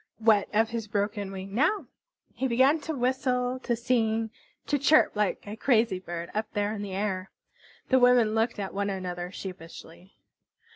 What of his broken wing now? He began to whistle, to sing, to chirrup like a crazy bird up there in the air. The women looked at one another sheepishly.